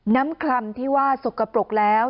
คลำที่ว่าสกปรกแล้ว